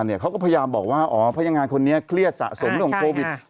เขาก็พยายามบอกว่าอ๋อพนักงานคนนี้เครียดสะสมเรื่องของโควิด